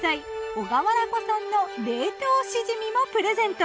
小川原湖産の冷凍しじみもプレゼント。